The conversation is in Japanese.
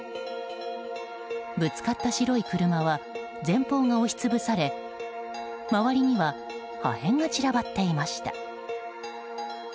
ぶつかった白い車は前方が押し潰され周りには破片が散らばっていました。